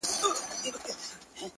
• اباسین بیا څپې څپې دی,